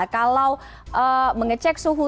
kalau mengecek suhu